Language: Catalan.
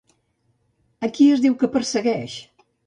A qui es diu que persegueix?